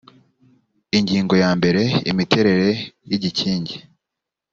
ingingo ya mbere imiterere y igikingi